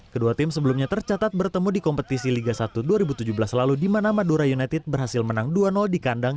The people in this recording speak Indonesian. kedua tim sebelumnya tercatat bertemu di kompetisi liga satu dua ribu tujuh belas lalu di mana madura united berhasil menang dua di kandang